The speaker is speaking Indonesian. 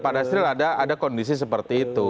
pada asril ada kondisi seperti itu